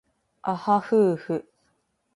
あはふうふ